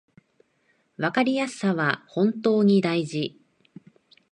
わかりやすさは本当に大事